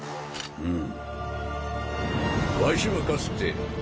うん。